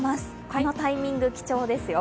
このタイミング、貴重ですよ。